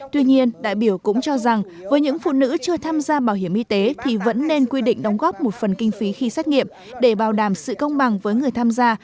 tuy nhiên đại biểu cũng cho rằng với những phụ nữ chưa tham gia bảo hiểm y tế thì vẫn nên quy định đóng góp một phần kinh phí khi xét nghiệm để bảo đảm sự công bằng với người tham gia